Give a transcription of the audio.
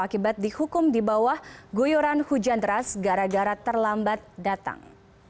akibat dihukum di bawah guyuran hujan deras gara gara terlambat datang